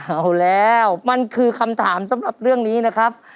เอาแล้วมันคือคำถามสำหรับเรื่องนี้นะครับ